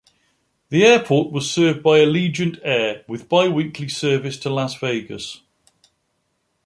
The airport was served by Allegiant Air with biweekly service to Las Vegas.